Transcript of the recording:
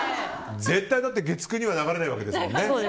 絶対月９には流れないわけですもんね。